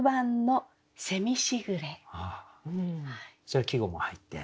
それは季語も入って。